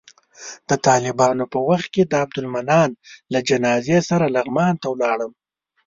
د طالبانو په وخت کې د عبدالمنان له جنازې سره لغمان ته ولاړم.